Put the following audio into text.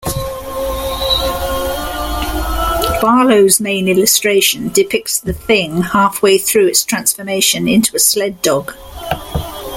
Barlowe's main illustration depicts the Thing halfway through its transformation into a sled dog.